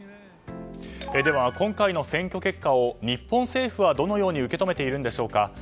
では今回の選挙結果を日本政府は、どのように受け止めているんでしょうか。